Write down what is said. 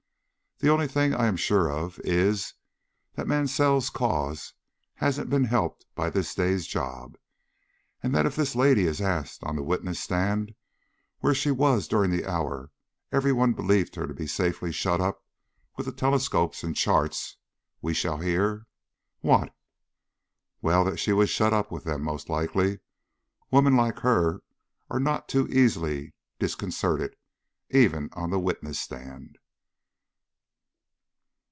The only thing I am sure of is, that Mansell's cause hasn't been helped by this day's job, and that if this lady is asked on the witness stand where she was during the hour every one believed her to be safely shut up with the telescopes and charts, we shall hear " "What?" "Well, that she was shut up with them, most likely. Women like her are not to be easily disconcerted even on the witness stand."